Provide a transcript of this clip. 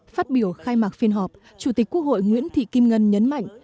phát biểu khai mạc phiên họp chủ tịch quốc hội nguyễn thị kim ngân nhấn mạnh